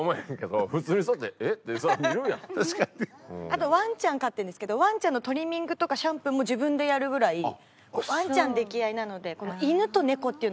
あとワンちゃん飼ってるんですけどワンちゃんのトリミングとかシャンプーも自分でやるぐらいワンちゃん溺愛なので。